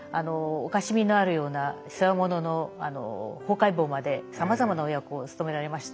おかしみのあるような世話物の「法界坊」までさまざまなお役をつとめられました。